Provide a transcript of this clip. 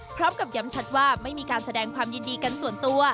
พร้อมกับย้ำชัดว่าไม่มีการแสดงความยินดีกันส่วนตัว